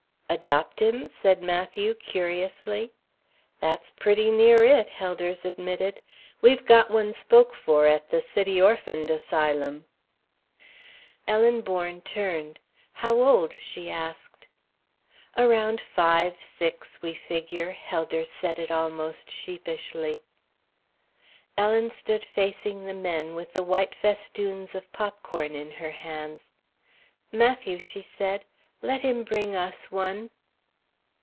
"Adopt him?" said Matthew, curiously. "That's pretty near it," Helders admitted. "We've got one spoke for at the City Orphand Asylum." Ellen Bourne turned. "How old?" she asked. "Around five six, we figure." Helders said it almost sheepishly. Ellen stood facing the men, with the white festoons of popcorn in her hands. "Matthew," she said, "let him bring us one."